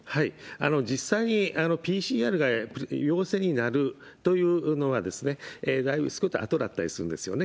実際にＰＣＲが陽性になるというのは、だいぶ後だったりするんですよね。